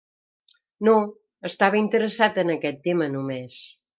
No, estava interessat en aquest tema només.